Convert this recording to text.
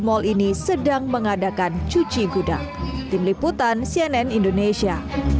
mal ini sedang mengadakan cuci gudang tim liputan cnn indonesia